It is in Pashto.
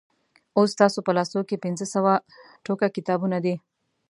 اوس ستاسو په لاسو کې پنځه سوه ټوکه کتابونه دي.